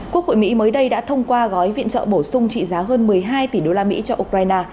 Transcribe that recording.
quốc hội mỹ mới đây đã thông qua gói viện trợ bổ sung trị giá hơn một mươi hai tỷ usd cho ukraine